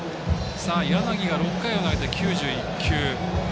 柳が６回を投げて９１球。